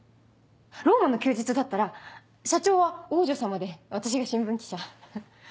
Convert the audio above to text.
『ローマの休日』だったら社長は王女様で私が新聞記者。